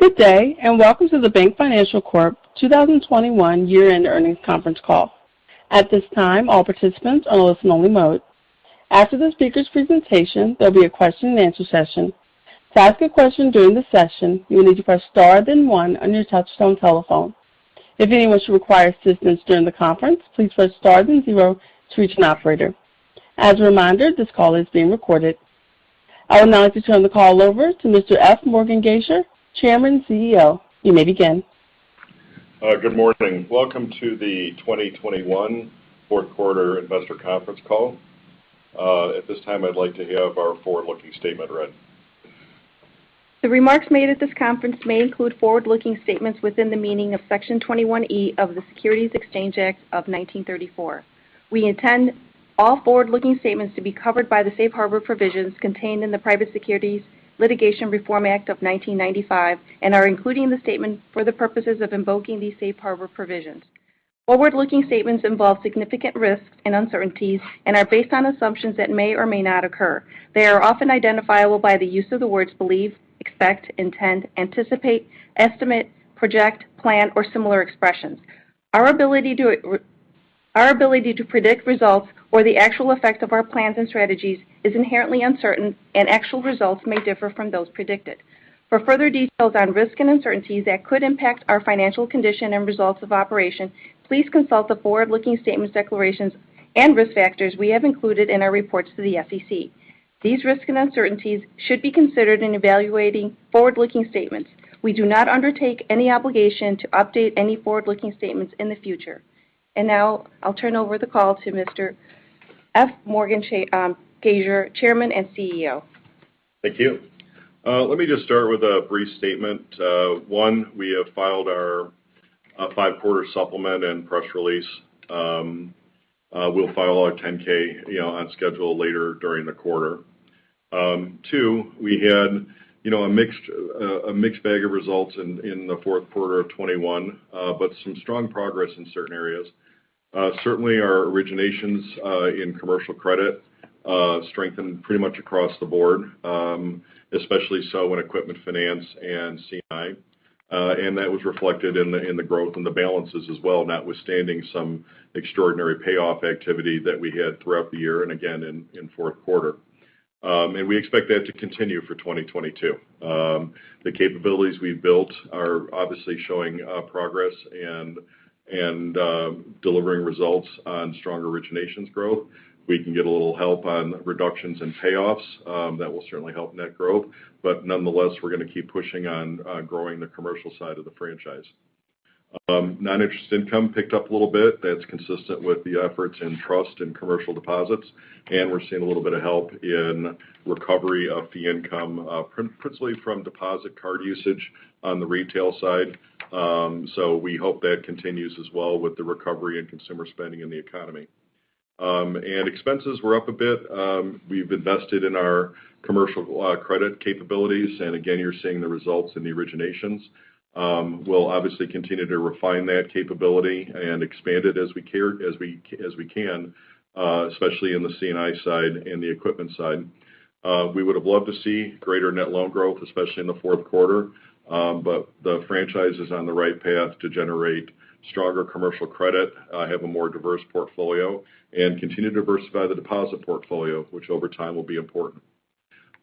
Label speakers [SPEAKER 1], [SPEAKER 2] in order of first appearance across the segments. [SPEAKER 1] Good day, and welcome to the BankFinancial Corp. 2021 year-end earnings conference call. At this time, all participants are in listen only mode. After the speaker's presentation, there'll be a question-and-answer session. To ask a question during the session, you will need to press star then one on your touchtone telephone. If anyone should require assistance during the conference, please press star then zero to reach an operator. As a reminder, this call is being recorded. I would now like to turn the call over to Mr. F. Morgan Gasior, Chairman and CEO. You may begin.
[SPEAKER 2] Good morning. Welcome to the 2021 fourth quarter investor conference call. At this time, I'd like to have our forward-looking statement read.
[SPEAKER 1] The remarks made at this conference may include forward-looking statements within the meaning of Section 21E of the Securities Exchange Act of 1934. We intend all forward-looking statements to be covered by the safe harbor provisions contained in the Private Securities Litigation Reform Act of 1995 and are including the statement for the purposes of invoking these safe harbor provisions. Forward-looking statements involve significant risks and uncertainties and are based on assumptions that may or may not occur. They are often identifiable by the use of the words believe, expect, intend, anticipate, estimate, project, plan, or similar expressions. Our ability to predict results or the actual effect of our plans and strategies is inherently uncertain, and actual results may differ from those predicted. For further details on risks and uncertainties that could impact our financial condition and results of operations, please consult the forward-looking statements, declarations, and risk factors we have included in our reports to the SEC. These risks and uncertainties should be considered in evaluating forward-looking statements. We do not undertake any obligation to update any forward-looking statements in the future. Now I'll turn over the call to Mr. F. Morgan Gasior, Chairman and CEO.
[SPEAKER 2] Thank you. Let me just start with a brief statement. One, we have filed our Five-Quarter Supplement and press release. We'll file our 10-K, you know, on schedule later during the quarter. Two, we had, you know, a mixed bag of results in the fourth quarter of 2021, but some strong progress in certain areas. Certainly our originations in commercial credit strengthened pretty much across the board, especially so in equipment finance and C&I. That was reflected in the growth in the balances as well, notwithstanding some extraordinary payoff activity that we had throughout the year and again in fourth quarter. We expect that to continue for 2022. The capabilities we've built are obviously showing progress and delivering results on stronger originations growth. We can get a little help on reductions in payoffs. That will certainly help net growth. Nonetheless, we're gonna keep pushing on growing the commercial side of the franchise. Noninterest income picked up a little bit. That's consistent with the efforts in trust and commercial deposits. We're seeing a little bit of help in recovery of fee income, principally from debit card usage on the retail side. We hope that continues as well with the recovery in consumer spending in the economy. Expenses were up a bit. We've invested in our commercial credit capabilities and again, you're seeing the results in the originations. We'll obviously continue to refine that capability and expand it as we can, especially in the C&I side and the equipment side. We would have loved to see greater net loan growth, especially in the fourth quarter. The franchise is on the right path to generate stronger commercial credit, have a more diverse portfolio and continue to diversify the deposit portfolio, which over time will be important.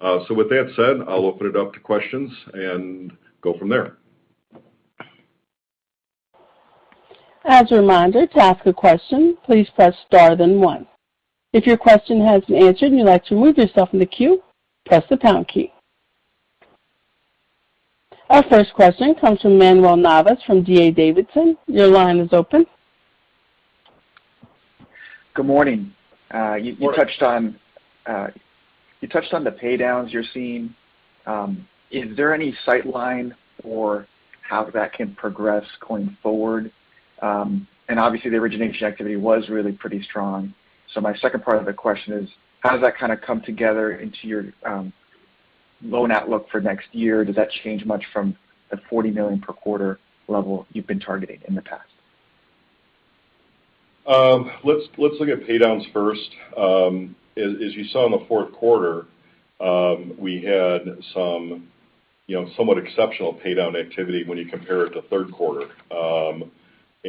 [SPEAKER 2] With that said, I'll open it up to questions and go from there.
[SPEAKER 1] Our first question comes from Manuel Navas from D.A. Davidson. Your line is open.
[SPEAKER 3] Good morning.
[SPEAKER 2] Good morning.
[SPEAKER 3] You touched on the paydowns you're seeing. Is there any line of sight for how that can progress going forward? Obviously the origination activity was really pretty strong. My second part of the question is, how does that kind of come together into your loan outlook for next year? Does that change much from the $40 million per quarter level you've been targeting in the past?
[SPEAKER 2] Let's look at paydowns first. As you saw in the fourth quarter, we had some you know somewhat exceptional paydown activity when you compare it to third quarter.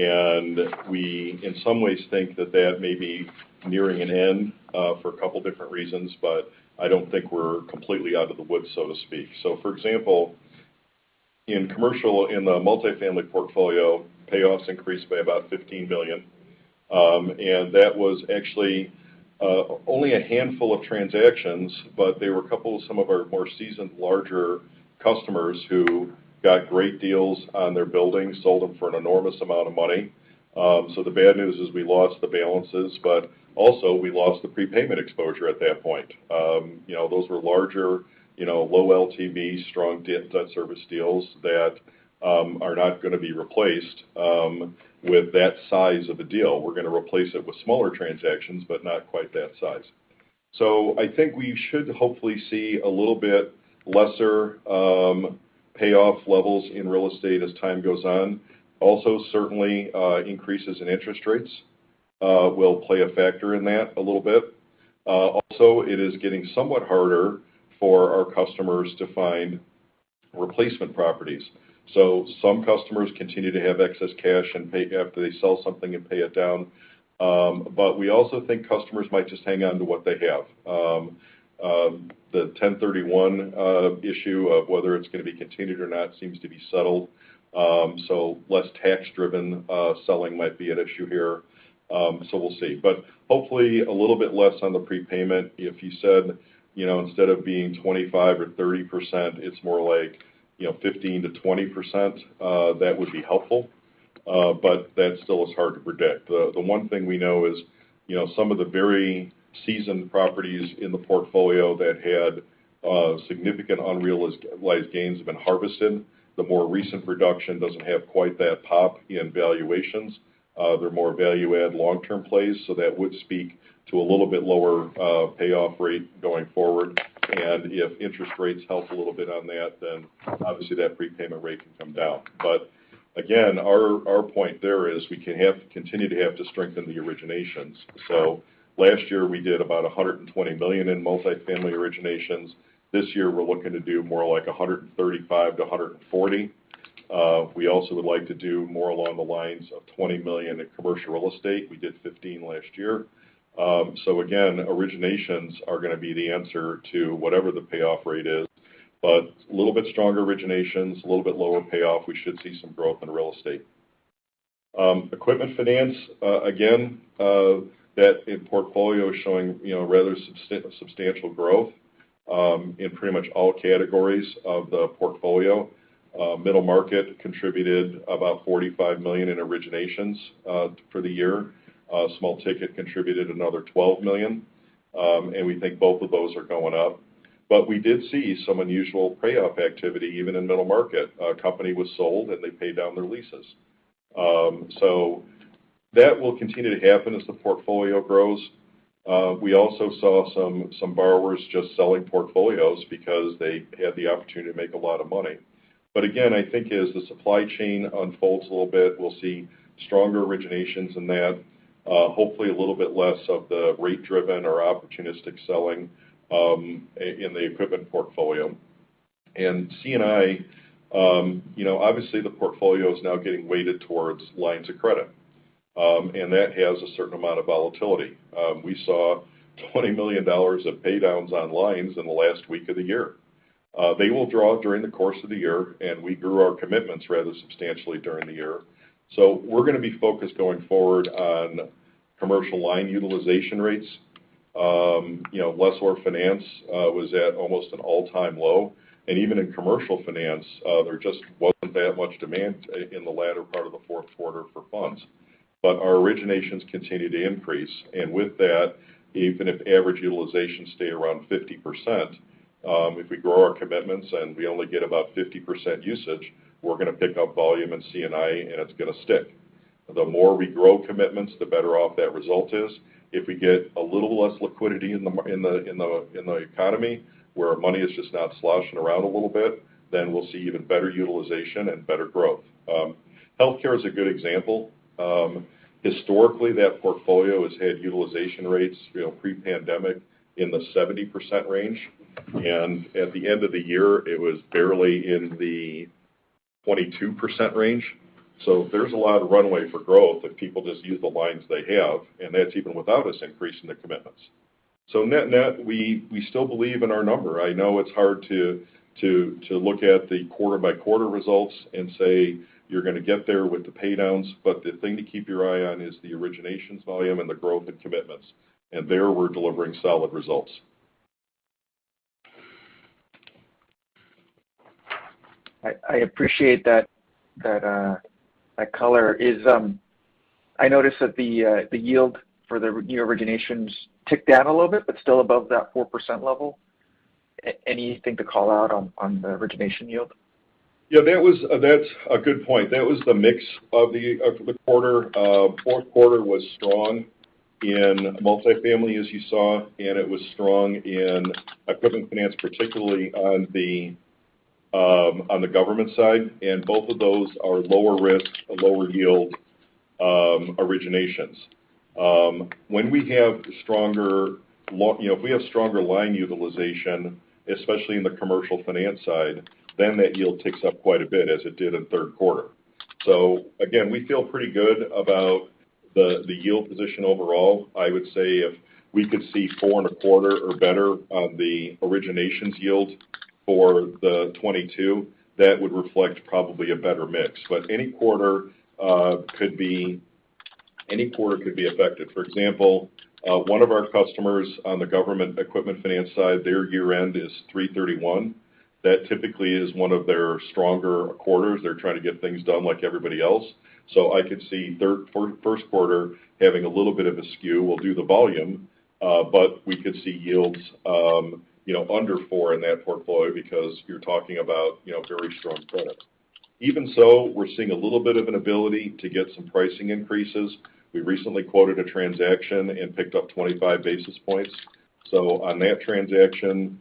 [SPEAKER 2] We in some ways think that may be nearing an end for a couple different reasons, but I don't think we're completely out of the woods, so to speak. For example, in commercial, in the multifamily portfolio, payoffs increased by about $15 million. That was actually only a handful of transactions, but they were a couple of some of our more seasoned, larger customers who got great deals on their buildings, sold them for an enormous amount of money. The bad news is we lost the balances, but also we lost the prepayment exposure at that point. You know, those were larger, you know, low LTV, strong debt service deals that are not gonna be replaced. With that size of a deal, we're gonna replace it with smaller transactions, but not quite that size. I think we should hopefully see a little bit lesser payoff levels in real estate as time goes on. Also, certainly, increases in interest rates will play a factor in that a little bit. Also it is getting somewhat harder for our customers to find replacement properties. Some customers continue to have excess cash and after they sell something and pay it down. We also think customers might just hang on to what they have. The Section 1031 issue of whether it's gonna be continued or not seems to be settled. Less tax-driven selling might be at issue here. We'll see. Hopefully a little bit less on the prepayment. If you said, you know, instead of being 25% or 30%, it's more like, you know, 15%-20%, that would be helpful. That still is hard to predict. The one thing we know is, you know, some of the very seasoned properties in the portfolio that had significant unrealized gains have been harvested. The more recent production doesn't have quite that pop in valuations. They're more value add long-term plays, so that would speak to a little bit lower payoff rate going forward. If interest rates help a little bit on that, then obviously that prepayment rate can come down. Again, our point there is we can continue to have to strengthen the originations. Last year we did about $120 million in multifamily originations. This year, we're looking to do more like $135 million-$140 million. We also would like to do more along the lines of $20 million in commercial real estate. We did $15 million last year. Again, originations are gonna be the answer to whatever the payoff rate is. A little bit stronger originations, a little bit lower payoff, we should see some growth in real estate. Equipment finance, again, that in portfolio is showing, you know, rather substantial growth in pretty much all categories of the portfolio. Middle market contributed about $45 million in originations for the year. Small ticket contributed another $12 million. We think both of those are going up. We did see some unusual payoff activity even in middle market. A company was sold, and they paid down their leases. That will continue to happen as the portfolio grows. We also saw some borrowers just selling portfolios because they had the opportunity to make a lot of money. Again, I think as the supply chain unfolds a little bit, we'll see stronger originations in that, hopefully a little bit less of the rate-driven or opportunistic selling in the equipment portfolio. C&I, you know, obviously, the portfolio is now getting weighted towards lines of credit, and that has a certain amount of volatility. We saw $20 million of paydowns on lines in the last week of the year. They will draw during the course of the year, and we grew our commitments rather substantially during the year. We're gonna be focused going forward on commercial line utilization rates. You know, lessor finance was at almost an all-time low. Even in commercial finance, there just wasn't that much demand in the latter part of the fourth quarter for funds. Our originations continue to increase. With that, even if average utilizations stay around 50%, if we grow our commitments and we only get about 50% usage, we're gonna pick up volume in C&I, and it's gonna stick. The more we grow commitments, the better off that result is. If we get a little less liquidity in the economy, where money is just not sloshing around a little bit, then we'll see even better utilization and better growth. Healthcare is a good example. Historically, that portfolio has had utilization rates, you know, pre-pandemic in the 70% range. At the end of the year, it was barely in the 22% range. There's a lot of runway for growth if people just use the lines they have, and that's even without us increasing the commitments. Net-net, we still believe in our number. I know it's hard to look at the quarter-by-quarter results and say you're gonna get there with the paydowns, but the thing to keep your eye on is the originations volume and the growth in commitments. There, we're delivering solid results.
[SPEAKER 3] I appreciate that color. I noticed that the yield for the new originations ticked down a little bit, but still above that 4% level. Anything to call out on the origination yield?
[SPEAKER 2] That's a good point. That was the mix of the quarter. Fourth quarter was strong in multifamily, as you saw, and it was strong in equipment finance, particularly on the government side, and both of those are lower risk, lower yield originations. When we have stronger, you know, if we have stronger line utilization, especially in the commercial finance side, then that yield ticks up quite a bit, as it did in third quarter. Again, we feel pretty good about the yield position overall. I would say if we could see 4.25% or better on the originations yield for the 2022, that would reflect probably a better mix. Any quarter could be affected. For example, one of our customers on the government equipment finance side, their year-end is 3/31. That typically is one of their stronger quarters. They're trying to get things done like everybody else. I could see first quarter having a little bit of a skew. We'll do the volume, but we could see yields, you know, under 4% in that portfolio because you're talking about, you know, very strong credit. Even so, we're seeing a little bit of an ability to get some pricing increases. We recently quoted a transaction and picked up 25 basis points on that transaction,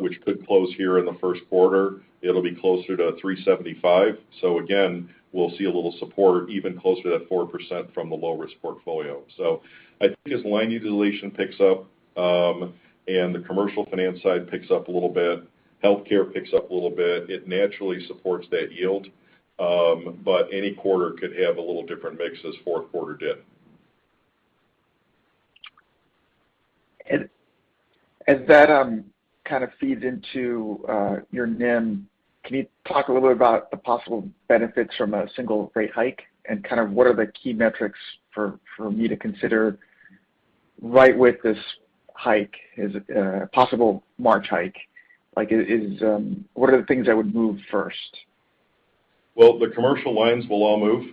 [SPEAKER 2] which could close here in the first quarter. It'll be closer to 3.75%. Again, we'll see a little support even closer to that 4% from the low-risk portfolio. I think as line utilization picks up, and the commercial finance side picks up a little bit, healthcare picks up a little bit, it naturally supports that yield. Any quarter could have a little different mix as fourth quarter did.
[SPEAKER 3] That kind of feeds into your NIM. Can you talk a little bit about the possible benefits from a single rate hike? Kind of what are the key metrics for me to consider right with this hike, is it a possible March hike? Like is what are the things I would move first?
[SPEAKER 2] Well, the commercial lines will all move.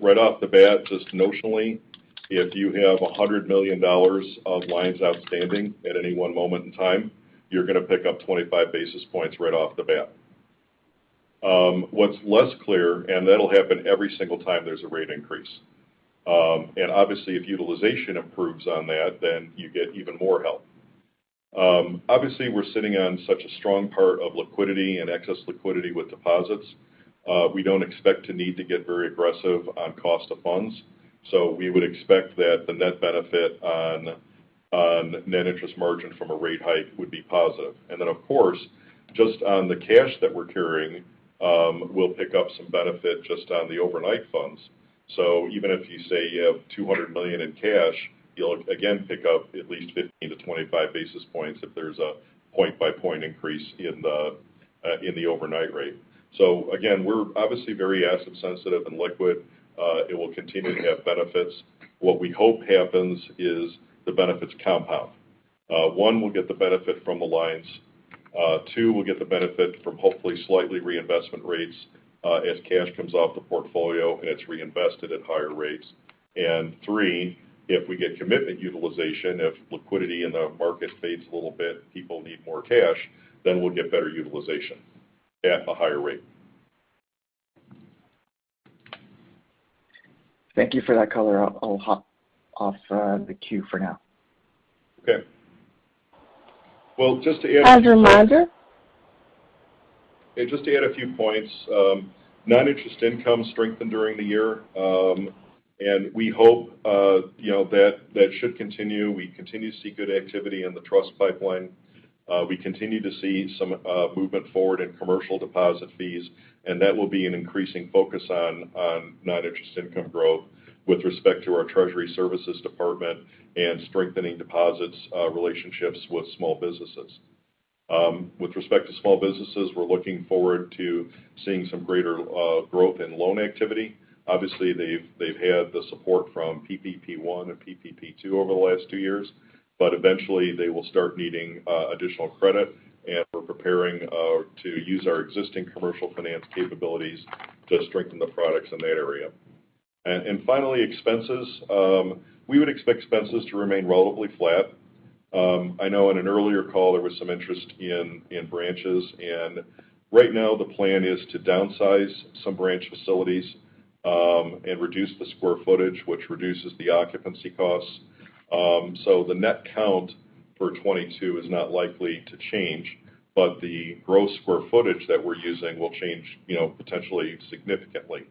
[SPEAKER 2] Right off the bat, just notionally, if you have $100 million of lines outstanding at any one moment in time, you're going to pick up 25 basis points right off the bat. What's less clear, and that'll happen every single time there's a rate increase. Obviously, if utilization improves on that, then you get even more help. Obviously, we're sitting on such a strong position of liquidity and excess liquidity with deposits. We don't expect to need to get very aggressive on cost of funds. We would expect that the net benefit on net interest margin from a rate hike would be positive. Of course, just on the cash that we're carrying, we'll pick up some benefit just on the overnight funds. Even if you say you have $200 million in cash, you'll again pick up at least 15 basis points-25 basis points if there's a point-by-point increase in the overnight rate. Again, we're obviously very asset sensitive and liquid. It will continue to have benefits. What we hope happens is the benefits compound. One, we'll get the benefit from the lines. Two, we'll get the benefit from hopefully slightly higher reinvestment rates as cash comes off the portfolio, and it's reinvested at higher rates. Three, if we get commitment utilization, if liquidity in the market fades a little bit, people need more cash, then we'll get better utilization at a higher rate.
[SPEAKER 3] Thank you for that color. I'll hop off the queue for now.
[SPEAKER 2] Okay. Well, just to add.
[SPEAKER 1] As a reminder. Just to add a few points, non-interest income strengthened during the year. We hope you know that should continue. We continue to see good activity in the trust pipeline. We continue to see some movement forward in commercial deposit fees, and that will be an increasing focus on non-interest income growth with respect to our treasury services department and strengthening deposits relationships with small businesses. With respect to small businesses, we're looking forward to seeing some greater growth in loan activity. Obviously, they've had the support from PPP One and PPP Two over the last two years. But eventually, they will start needing additional credit, and we're preparing to use our existing commercial finance capabilities to strengthen the products in that area. Finally, we would expect expenses to remain relatively flat.
[SPEAKER 2] I know in an earlier call there was some interest in branches. Right now, the plan is to downsize some branch facilities and reduce the square footage, which reduces the occupancy costs. The net count for 2022 is not likely to change, but the gross square footage that we're using will change, you know, potentially significantly.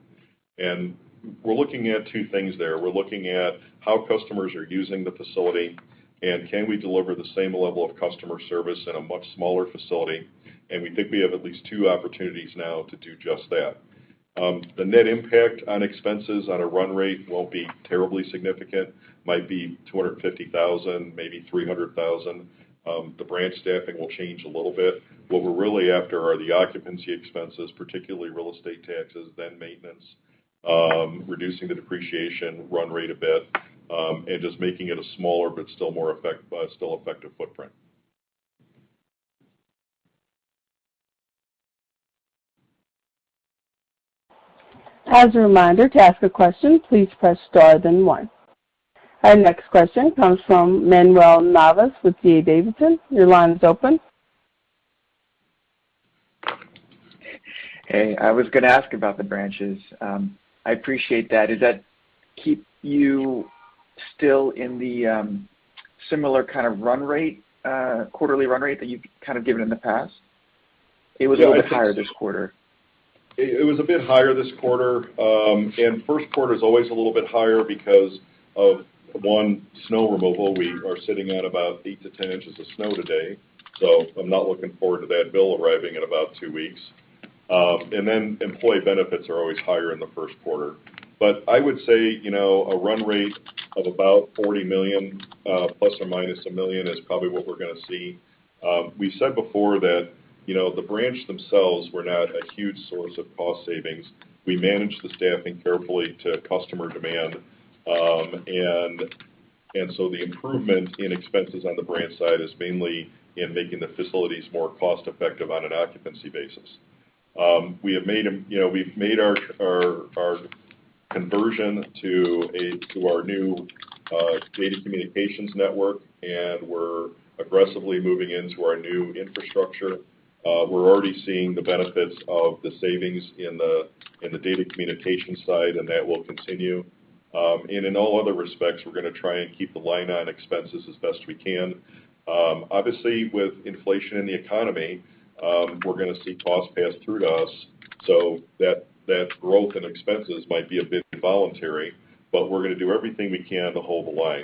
[SPEAKER 2] We're looking at two things there. We're looking at how customers are using the facility and can we deliver the same level of customer service in a much smaller facility. We think we have at least two opportunities now to do just that. The net impact on expenses on a run rate won't be terribly significant. Might be $250,000, maybe $300,000. The branch staffing will change a little bit. What we're really after are the occupancy expenses, particularly real estate taxes, then maintenance. Reducing the depreciation run rate a bit, and just making it a smaller but still effective footprint.
[SPEAKER 1] As a reminder, to ask a question, please press star then one. Our next question comes from Manuel Navas with D.A. Davidson. Your line is open.
[SPEAKER 3] Hey. I was going to ask about the branches. I appreciate that. Does that keep you still in the similar kind of run rate quarterly run rate that you've kind of given in the past? It was a little bit higher this quarter.
[SPEAKER 2] It was a bit higher this quarter. First quarter is always a little bit higher because of one, snow removal. We are sitting at about 8in-10in of snow today, so I'm not looking forward to that bill arriving in about two weeks. Then employee benefits are always higher in the first quarter. I would say you know, a run rate of about $40 million ±$1 million is probably what we're going to see. We've said before that you know, the branch themselves were not a huge source of cost savings. We manage the staffing carefully to customer demand. The improvements in expenses on the branch side is mainly in making the facilities more cost effective on an occupancy basis. You know, we've made our conversion to our new data communications network, and we're aggressively moving into our new infrastructure. We're already seeing the benefits of the savings in the data communication side, and that will continue. In all other respects, we're gonna try and keep the line on expenses as best we can. Obviously, with inflation in the economy, we're gonna see costs passed through to us, so that growth in expenses might be a bit involuntary, but we're gonna do everything we can to hold the line.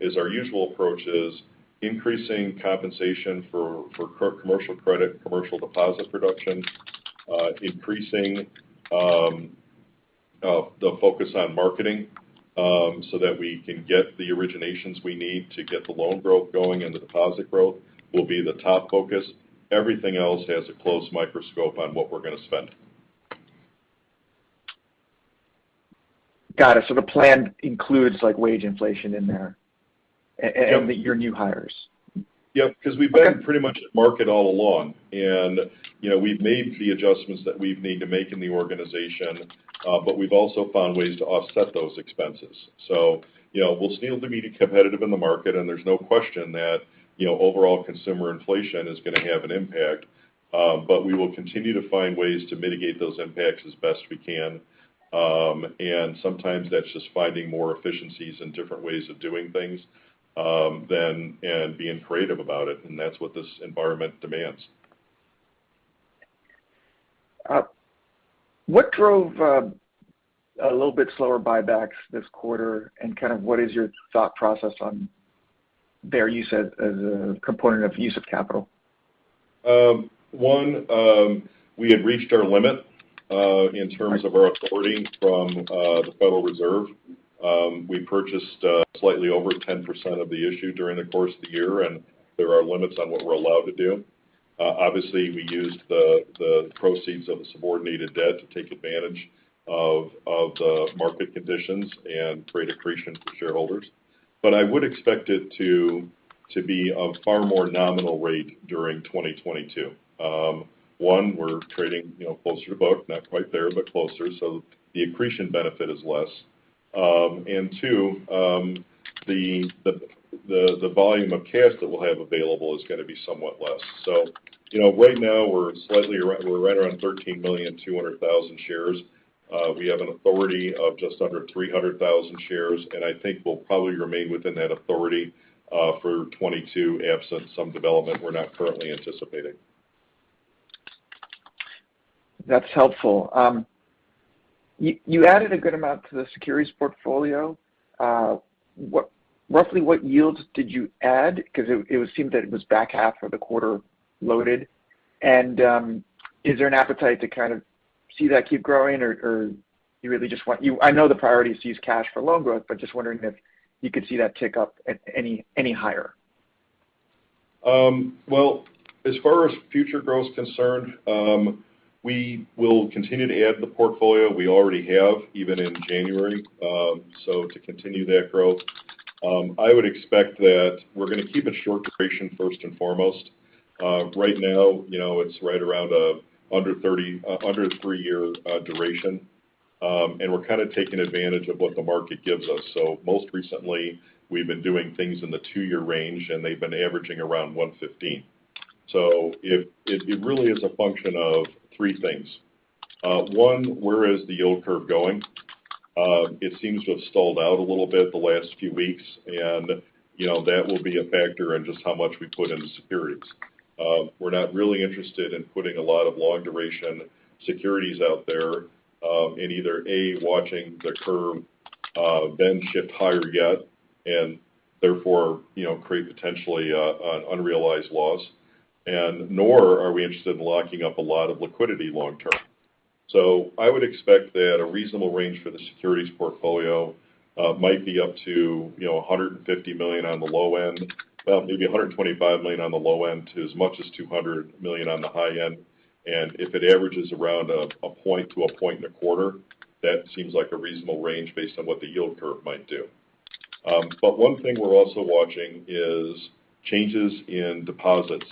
[SPEAKER 2] As our usual approach is increasing compensation for commercial credit, commercial deposit production, increasing the focus on marketing so that we can get the originations we need to get the loan growth going and the deposit growth will be the top focus. Everything else has a close microscope on what we're gonna spend.
[SPEAKER 3] Got it. The plan includes, like, wage inflation in there and your new hires.
[SPEAKER 2] Yep. 'Cause we've been pretty much at market all along. You know, we've made the adjustments that we've needed to make in the organization, but we've also found ways to offset those expenses. You know, we'll still need to be competitive in the market, and there's no question that, you know, overall consumer inflation is gonna have an impact. We will continue to find ways to mitigate those impacts as best we can. Sometimes that's just finding more efficiencies and different ways of doing things, and being creative about it, and that's what this environment demands.
[SPEAKER 3] What drove a little bit slower buybacks this quarter, and kind of what is your thought process on their use as a component of use of capital?
[SPEAKER 2] One, we had reached our limit in terms of our authority from the Federal Reserve. We purchased slightly over 10% of the issue during the course of the year, and there are limits on what we're allowed to do. Obviously, we used the proceeds of the subordinated debt to take advantage of the market conditions and create accretion for shareholders. I would expect it to be of far more nominal rate during 2022. One, we're trading, you know, close to book, not quite there, but closer, so the accretion benefit is less. Two, the volume of cash that we'll have available is gonna be somewhat less. You know, right now we're right around 13.2 million shares. We have an authority of just under 300,000 shares, and I think we'll probably remain within that authority for 2022, absent some development we're not currently anticipating.
[SPEAKER 3] That's helpful. You added a good amount to the securities portfolio. Roughly what yields did you add? 'Cause it seemed that it was back half of the quarter loaded. Is there an appetite to kind of see that keep growing or you really just want, I know the priority is to use cash for loan growth, but just wondering if you could see that tick up any higher.
[SPEAKER 2] Well, as far as future growth is concerned, we will continue to add to the portfolio. We already have, even in January. To continue that growth. I would expect that we're gonna keep it short duration first and foremost. Right now, you know, it's right around under three-year duration. And we're kind of taking advantage of what the market gives us. Most recently, we've been doing things in the two-year range, and they've been averaging around $1.15. It really is a function of three things. One, where is the yield curve going? It seems to have stalled out a little bit the last few weeks and, you know, that will be a factor in just how much we put into securities. We're not really interested in putting a lot of long duration securities out there, in either, A, watching the curve, then shift higher yet and therefore, you know, create potentially, unrealized loss, and nor are we interested in locking up a lot of liquidity long term. I would expect that a reasonable range for the securities portfolio might be up to, you know, $150 million on the low end, well maybe $125 million on the low end to as much as $200 million on the high end. If it averages around 1% to 1.25%, that seems like a reasonable range based on what the yield curve might do. One thing we're also watching is changes in deposits.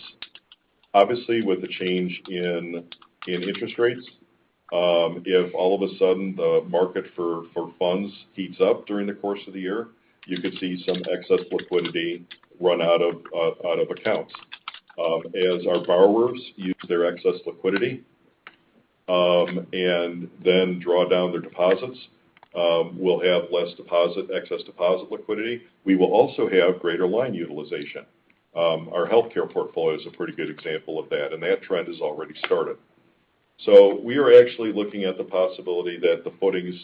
[SPEAKER 2] Obviously, with the change in interest rates, if all of a sudden the market for funds heats up during the course of the year, you could see some excess liquidity run out of accounts. As our borrowers use their excess liquidity, and then draw down their deposits, we'll have less excess deposit liquidity. We will also have greater line utilization. Our healthcare portfolio is a pretty good example of that, and that trend has already started. We are actually looking at the possibility that the footings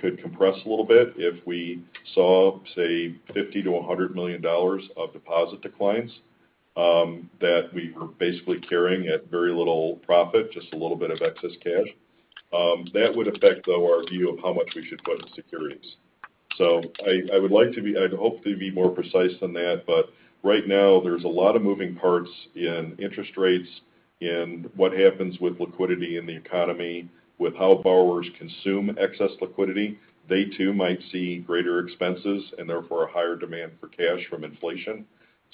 [SPEAKER 2] could compress a little bit if we saw, say, $50 million-$100 million of deposit declines, that we were basically carrying at very little profit, just a little bit of excess cash. That would affect, though, our view of how much we should put in securities. I'd hope to be more precise than that, but right now there's a lot of moving parts in interest rates, in what happens with liquidity in the economy, with how borrowers consume excess liquidity. They too might see greater expenses and therefore a higher demand for cash from inflation.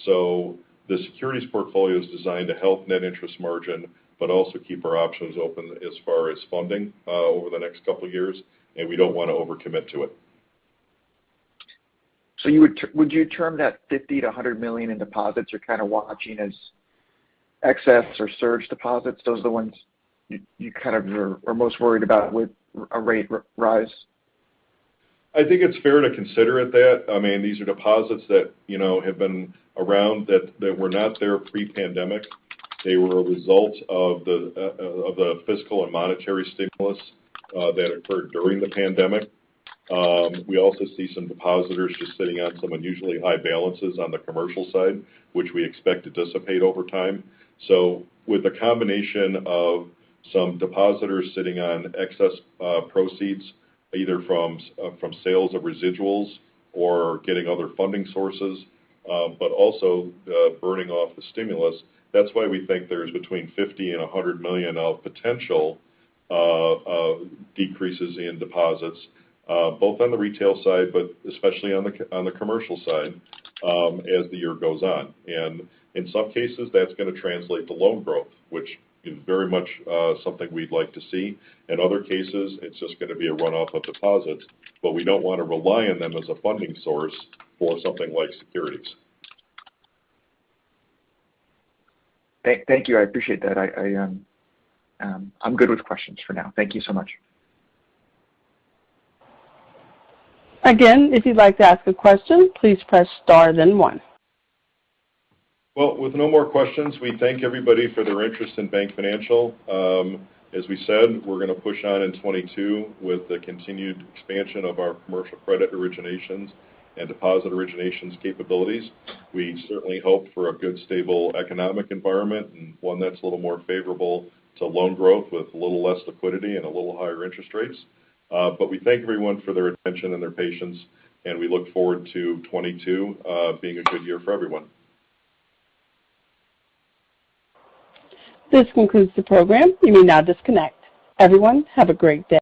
[SPEAKER 2] The securities portfolio is designed to help net interest margin, but also keep our options open as far as funding over the next couple years, and we don't want to overcommit to it.
[SPEAKER 3] Would you term that $50 million-$100 million in deposits you're kind of watching as excess or surge deposits? Those are the ones you kind of are most worried about with rate rise?
[SPEAKER 2] I think it's fair to consider it that. I mean, these are deposits that, you know, have been around that were not there pre-pandemic. They were a result of the fiscal and monetary stimulus that occurred during the pandemic. We also see some depositors just sitting on some unusually high balances on the commercial side, which we expect to dissipate over time. With the combination of some depositors sitting on excess proceeds either from sales of residuals or getting other funding sources, but also burning off the stimulus, that's why we think there's between $50 million and $100 million of potential decreases in deposits, both on the retail side, but especially on the commercial side, as the year goes on. In some cases, that's gonna translate to loan growth, which is very much, something we'd like to see. In other cases, it's just gonna be a runoff of deposits, but we don't want to rely on them as a funding source for something like securities.
[SPEAKER 3] Thank you. I appreciate that. I'm good with questions for now. Thank you so much.
[SPEAKER 1] Again, if you'd like to ask a question, please press star then one.
[SPEAKER 2] Well, with no more questions, we thank everybody for their interest in BankFinancial. As we said, we're gonna push on in 2022 with the continued expansion of our commercial credit originations and deposit originations capabilities. We certainly hope for a good, stable economic environment and one that's a little more favorable to loan growth with a little less liquidity and a little higher interest rates. We thank everyone for their attention and their patience, and we look forward to 2022 being a good year for everyone.
[SPEAKER 1] This concludes the program. You may now disconnect. Everyone, have a great day.